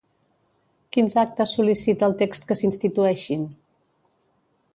Quins actes sol·licita el text que s'institueixin?